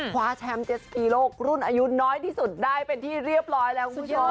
คว้าแชมป์เจสกีโลกรุ่นอายุน้อยที่สุดได้เป็นที่เรียบร้อยแล้วคุณผู้ชม